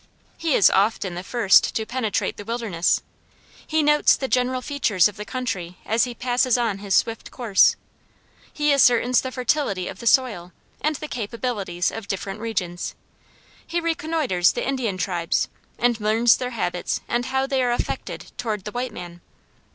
He is often the first to penetrate the wilderness; he notes the general features of the country as he passes on his swift course; he ascertains the fertility of the soil and the capabilities of different regions; he reconnoiters the Indian tribes, and learns their habits and how they are affected towards the white man.